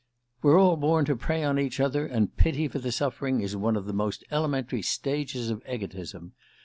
"We're all born to prey on each other, and pity for suffering is one of the most elementary stages of egotism.